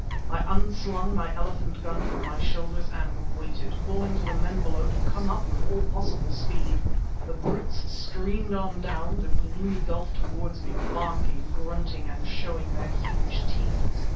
I unslung my elephant gun from my shoulders and waited, calling to the men below to come up with all possible speed. The brutes streamed on down the gloomy gulf towards me, barking, grunting, and showing their huge teeth.